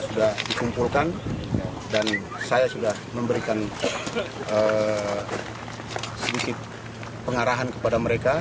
sudah dikumpulkan dan saya sudah memberikan sedikit pengarahan kepada mereka